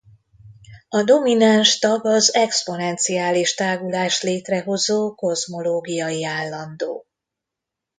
A domináns tag az exponenciális tágulást létrehozó kozmológiai állandó.